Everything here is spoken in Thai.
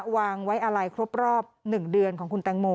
วางไว้อะไรครบรอบ๑เดือนของคุณแตงโม